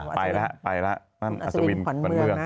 อ๋อเหรออาชวินไปแล้วอาชวินขวัญเมืองนะคะ